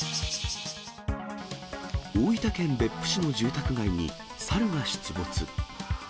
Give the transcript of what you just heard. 大分県別府市の住宅街にサルが出没。